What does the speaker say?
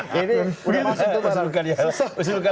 hahaha ini udah masuk ke barang